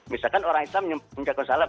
misalkan orang islam menyampaikan salam